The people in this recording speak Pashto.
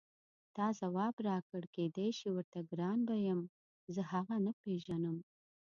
تا ځواب راکړ کېدای شي ورته ګران به یم زه هغه نه پېژنم.